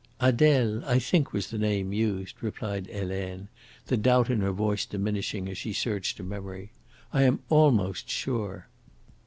"Adele, I think, was the name used," replied Helene, the doubt in her voice diminishing as she searched her memory. "I am almost sure."